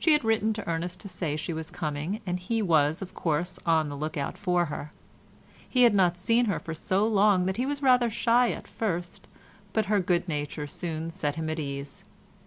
She had written to Ernest to say she was coming and he was of course on the look out for her. He had not seen her for so long that he was rather shy at first, but her good nature soon set him at his ease.